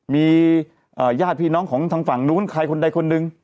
มีญาติพี่น้องของทางฝั่งนู้นใครคนใดคนหนึ่ง